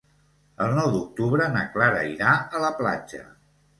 El nou d'octubre na Clara irà a la platja.